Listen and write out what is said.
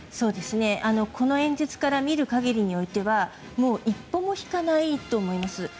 この演説から見る限りにおいてはもう一歩も引かないと思います。